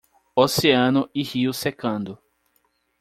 Oceano e rio secando